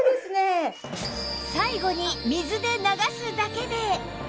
最後に水で流すだけで